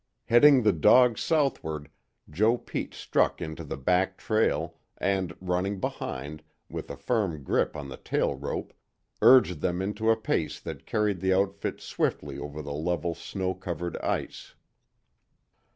Heading the dogs southward, Joe Pete struck into the back trail and, running behind, with a firm grip on the tail rope, urged them into a pace that carried the outfit swiftly over the level snow covered ice.